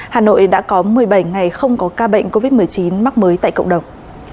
hà nội đã có một mươi bảy ngày không có ca bệnh covid một mươi chín mắc mới tại cộng đồng